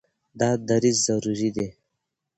دا دریځ ضروري دی.